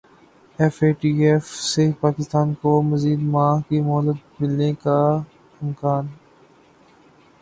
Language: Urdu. ایف اے ٹی ایف سے پاکستان کو مزید ماہ کی مہلت ملنے کا امکان